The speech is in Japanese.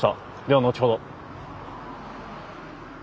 では後ほど。